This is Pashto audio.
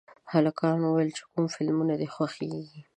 هلکانو ویل چې کوم فلمونه دي خوښېږي